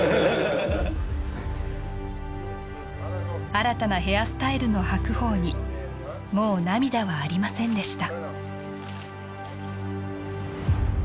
新たなヘアスタイルの白鵬にもう涙はありませんでした